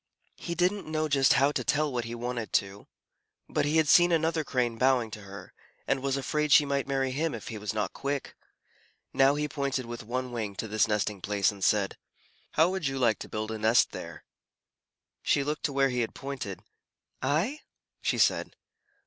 He didn't know just how to tell what he wanted to, but he had seen another Crane bowing to her, and was afraid she might marry him if he was not quick. Now he pointed with one wing to this nesting place, and said, "How would you like to build a nest there?" She looked where he had pointed, "I?" she said.